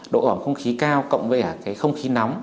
độ ẩm không khí cao cộng với không khí nóng